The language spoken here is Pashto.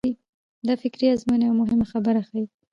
دا فکري ازموینه یوه مهمه خبره ښيي.